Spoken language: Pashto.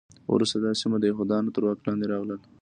وروسته دا سیمه د یهودانو تر واک لاندې راغله.